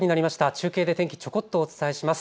中継で天気、ちょこっとお伝えします。